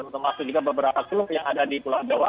termasuk juga beberapa klub yang ada di pulau jawa